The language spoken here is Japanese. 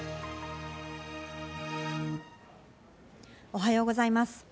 おはようございます。